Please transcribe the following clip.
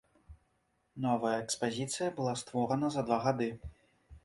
Новая экспазіцыя была створана за два гады.